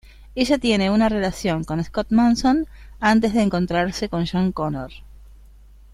Ella tiene una relación con "Scott Mason" antes de encontrarse con John Connor.